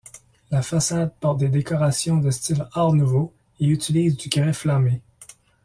La façade porte des décorations de style art nouveau et utilise du grès flammé.